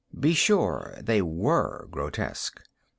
Be sure they were grotesque.